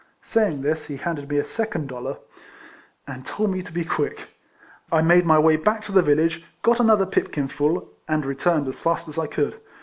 Saying this, he handed me a second dollar, and told me to be quick. I made my way back to the village, got another pipkin full, and returned as fast as I could.